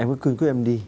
em cứ quyên quyết em đi